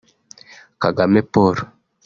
Kagame Paul